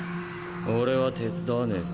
俺は手伝わねぞ。